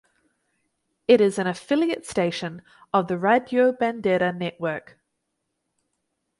It is an affiliate station of the Radyo Bandera Network.